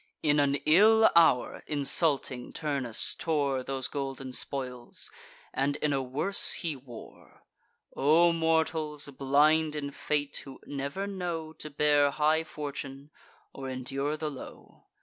In an ill hour insulting Turnus tore Those golden spoils, and in a worse he wore. O mortals, blind in fate, who never know To bear high fortune, or endure the low!